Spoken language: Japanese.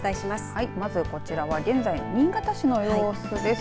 はい、まずこちらは現在の新潟市の様子です。